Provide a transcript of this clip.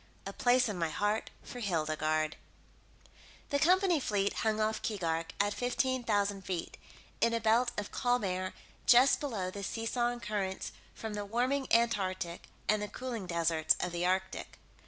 A Place in my Heart for Hildegarde The company fleet hung off Keegark, at fifteen thousand feet, in a belt of calm air just below the seesawing currents from the warming Antarctic and the cooling deserts of the Arctic.